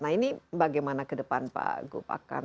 nah ini bagaimana ke depan pak gu